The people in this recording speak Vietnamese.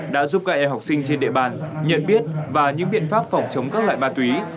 đã giúp các em học sinh trên địa bàn nhận biết và những biện pháp phòng chống các loại ma túy